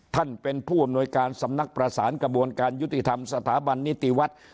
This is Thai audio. ท่านเป็นผู้อำนวยการสำนักประสานกระบวนการยุติธรรมสถาบันนิติวัฒน์